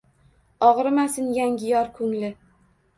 Og’rimasin yangi yor ko’ngli…